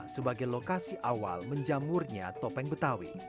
sebagai lokasi awal menjamurnya topeng betawi